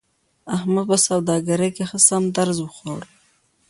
احمد په سوداګرۍ کې ښه سم درز و خوړ.